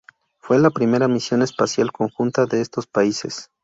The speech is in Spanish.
Fue la primera misión espacial conjunta de estos países.